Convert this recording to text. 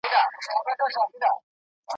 یا د وږو نس ته ځي لار یې دېګدان سي ,